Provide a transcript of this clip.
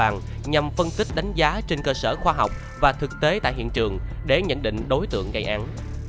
nhằm phân tích đánh giá trên cơ sở khoa học và thực tế tại hiện trường để nhận định đối tượng gây án